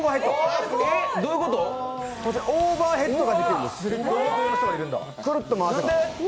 こちら、オーバーヘッドができるんです、クルッと回って。